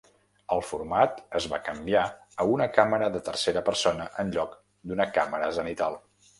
El format es va canviar a una càmera de tercera persona en lloc d'una càmera zenital.